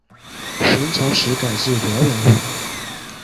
元朝时改置辽阳路。